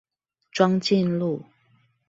莊敬路